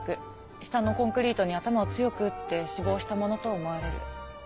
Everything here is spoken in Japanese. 下のコンクリートに頭を強く打って死亡したものと思われる。